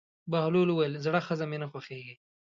بهلول وویل: زړه ښځه مې نه خوښېږي.